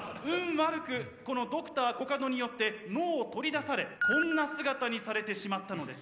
悪くこのＤｒ．コカドによって脳を取り出されこんな姿にされてしまったのです。